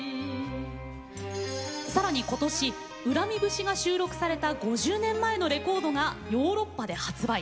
さらに今年「怨み節」が収録された５０年前のレコードがヨーロッパで発売。